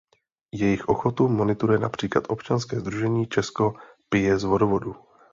Jejich ochotu monitoruje například Občanské sdružení Česko pije z vodovodu.